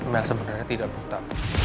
mel sebenarnya tidak buta